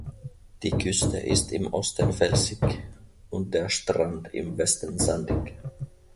Die Küste ist im Osten felsig und der Strand im Westen sandig.